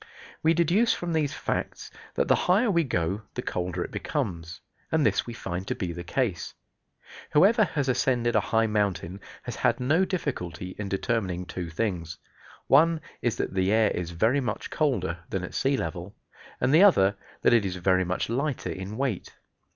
We deduce from these facts that the higher we go the colder it becomes; and this we find to be the case. Whoever has ascended a high mountain has had no difficulty in determining two things. One is that the air is very much colder than at sea level, and the other that it is very much lighter in weight.